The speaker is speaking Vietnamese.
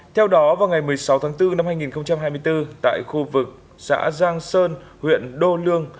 theo đó vào ngày một mươi sáu tháng bốn năm hai nghìn hai mươi bốn tại khu vực xã giang sơn huyện đô lương